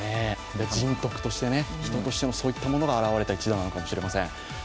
人徳として、人としてのそういったものが現れた１打なのかもしれません。